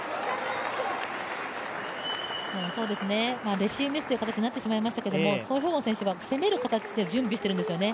レシーブミスという形になってしまいましたが、ソ・ヒョウォン選手が攻める形で準備しているんですよね。